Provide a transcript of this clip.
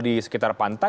di sekitar pantai